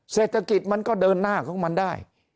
เศรษฐกิจมันก็เดินหน้าของมันได้